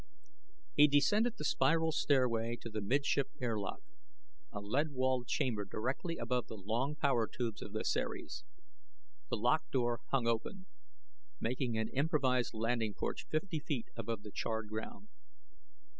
He descended the spiral stairway to the midship airlock, a lead walled chamber directly above the long power tubes of the Ceres. The lock door hung open, making an improvised landing porch fifty feet above the charred ground.